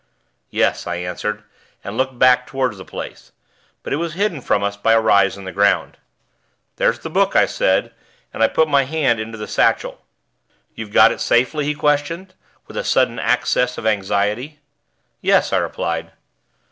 "Yes," I answered, and looked back toward the place; but it was hidden from us by a rise in the ground. "There's the book," I said, and I put my hand into the satchel. "You've got it safely?" he questioned, with a sudden access of anxiety. "Yes," I replied.